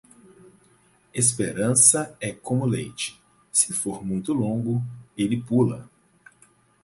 Esperança é como leite: se for muito longo, ele pula.